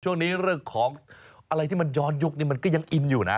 ช่วงนี้อะไรที่ย้อนยุคมันก็ยังอิมอยู่นะ